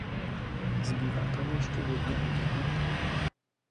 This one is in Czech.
Zbývá toho ještě hodně udělat?